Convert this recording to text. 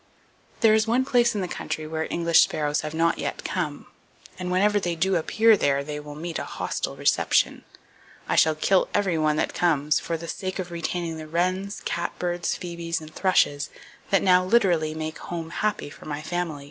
There is one place in the country where English sparrows have not yet come; and whenever they do appear there, they will meet a hostile reception. I shall kill every one that comes,—for the sake of retaining the wrens, catbirds, phoebes and thrushes that now literally make home happy for my family.